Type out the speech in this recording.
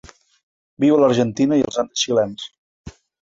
Viu a l'Argentina i els Andes xilens.